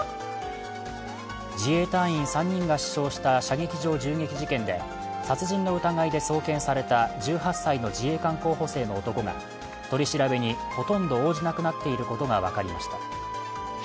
自衛隊員３人が死傷した射撃場銃撃事件で殺人の疑いで送検された１８歳の自衛官候補生の男が取り調べにほとんど応じなくなっていることが分かりました。